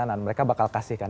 nah mereka bakal kasih kan